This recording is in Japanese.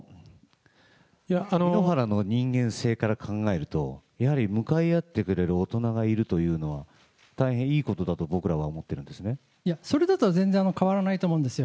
井ノ原の人間性から考えると、やはり向かい合ってくれる大人がいるということは、大変いいこといや、それだと全然変わらないと思うんですよ。